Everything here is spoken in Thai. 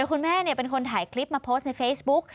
คุณแม่เป็นคนไถคลิปมาโพสท์ในเฟสบุ๊ค